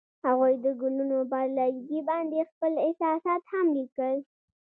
هغوی د ګلونه پر لرګي باندې خپل احساسات هم لیکل.